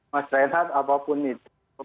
mas rehat apapun itu